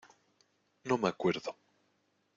no me acuerdo.